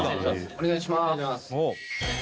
お願いします。